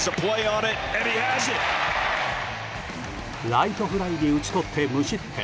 ライトフライに打ち取って無失点。